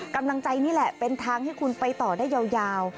กำลังใจนี่แหละเป็นทางให้คุณไปต่อได้ยาว